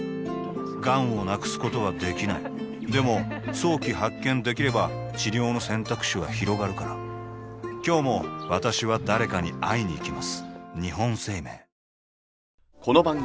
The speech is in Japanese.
がんを無くすことはできないでも早期発見できれば治療の選択肢はひろがるから今日も私は誰かに会いにいきます